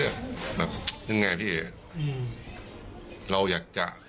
ว่ายังไงพี่นี่